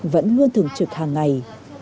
vẫn luôn thường trực hàng ngày